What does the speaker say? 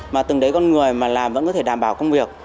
mà từng đấy con người mà làm vẫn có thể đảm bảo công việc